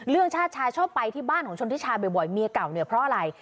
ชาติชายชอบไปที่บ้านของชนทิชาบ่อยเมียเก่าเนี่ยเพราะอะไร